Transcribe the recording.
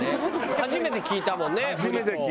初めて聞いたもんねブリトー。